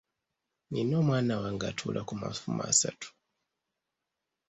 Nnina omwana wange atuula ku mafumu asatu.